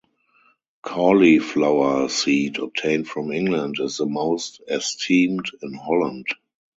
Cauliflower seed obtained from England is the most esteemed in Holland.